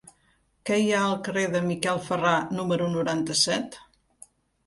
Què hi ha al carrer de Miquel Ferrà número noranta-set?